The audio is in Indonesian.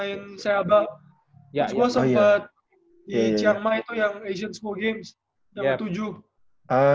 terus gue sempet di chiang mai tuh yang asian school games yang tujuh